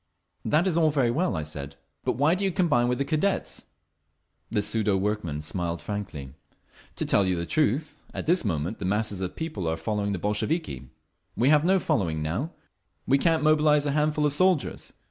"That is all very well," I said. "But why do you combine with the Cadets?" The pseudo workman smiled frankly. "To tell you the truth, at this moment the masses of the people are following the Bolsheviki. We have no following—now. We can't mobilise a handful of soldiers.